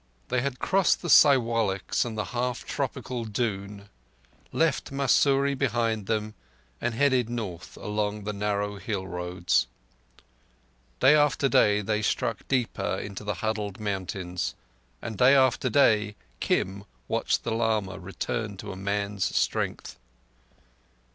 They had crossed the Siwaliks and the half tropical Doon, left Mussoorie behind them, and headed north along the narrow hill roads. Day after day they struck deeper into the huddled mountains, and day after day Kim watched the lama return to a man's strength.